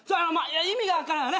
意味が分からんよね。